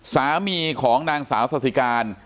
สามีของนางสาวสาธิการ